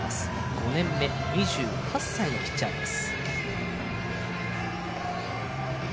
５年目、２８歳のピッチャーです。